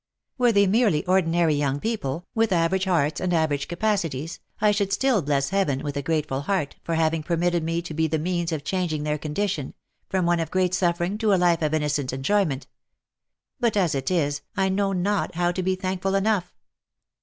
Were they merely ordinary young people, with average hearts and average capacities, I should still bless Heaven with a grateful heart, for having permitted me to be the means of changing their condition, from one of great suffering to a life of innocent enjoy ment. But as it is, I know not how to be thankful enough